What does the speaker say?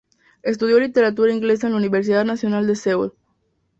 Estudió Literatura inglesa en la Universidad Nacional de Seúl.